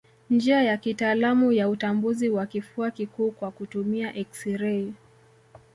Njia ya kitaalamu ya utambuzi wa kifua kikuu kwa kutumia eksirei